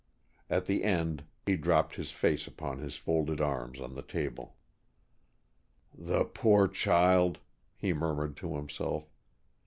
At the end he dropped his face upon his folded arms on the table. "The poor child," he murmured to himself.